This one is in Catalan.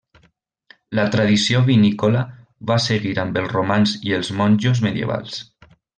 La tradició vinícola va seguir amb els romans i els monjos medievals.